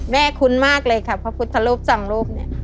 แม่คุ้นมากเลยครับพระพุทธรูปจังรูปเนี่ย